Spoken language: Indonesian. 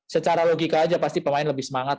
secara logika aja pasti pemain lebih semangat